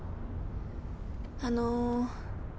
あの。